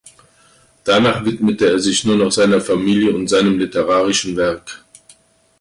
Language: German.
Danach widmete er sich nur noch seiner Familie und seinem literarischen Werk.